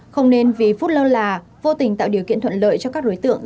không nên vì phút lơ là vô tình tạo điều kiện thuận lợi cho các đối tượng